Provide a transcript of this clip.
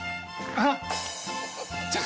あっ。